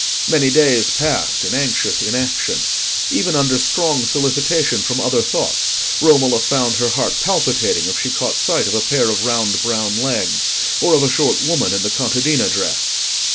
Many days passed in anxious inaction. Even under strong solicitation from other thoughts Romola found her heart palpitating if she caught sight of a pair of round brown legs, or of a short woman in the contadina dress.